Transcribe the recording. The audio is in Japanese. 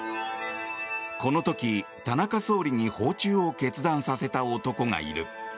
この時、田中総理に訪中を決断させた男がいる。